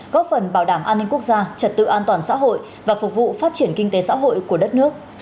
góp phần bảo đảm an ninh quốc gia trật tự an toàn xã hội và phục vụ phát triển kinh tế xã hội của đất nước